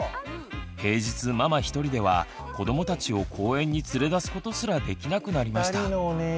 平日ママ一人では子どもたちを公園に連れ出すことすらできなくなりました。